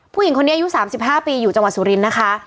ผู้หญิงคนนี้อายุ๓๕ปีอยู่จังหวัดสุรินทร์นะคะ